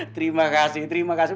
terima kasih terima kasih